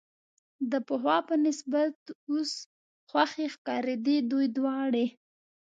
د پخوا په نسبت اوس خوښې ښکارېدې، دوی دواړې.